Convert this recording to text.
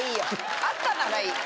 あったならいい。